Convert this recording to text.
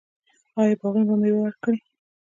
آیا باغونه به میوه ورکړي؟